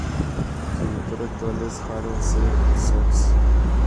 Su editor actual es Harold C. Sox.